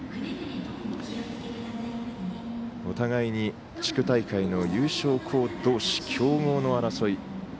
お互いに地区大会の優勝校どうし強豪の争い。